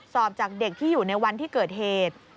สอบจากเด็กที่อยู่ในวันที่เกิดเหตุ